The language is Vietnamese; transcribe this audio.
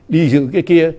đi dự kia kia